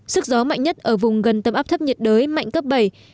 sức gió mạnh nhất ở vùng gần tâm áp thấp nhiệt đới mạnh cấp bảy